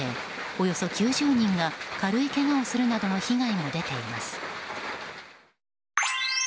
およそ９０人が軽いけがをするなどの被害も出ています。